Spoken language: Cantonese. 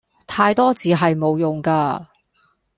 太多字係無用架